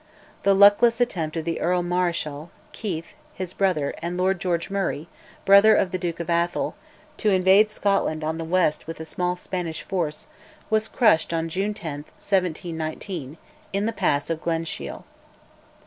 The luckless attempt of the Earl Marischal, Keith, his brother, and Lord George Murray, brother of the Duke of Atholl, to invade Scotland on the west with a small Spanish force, was crushed on June 10, 1719, in the pass of Glenshiel.